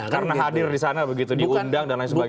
karena hadir di sana begitu diundang dan lain sebagainya